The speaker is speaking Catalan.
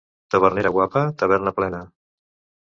Tavernera guapa, taverna plena.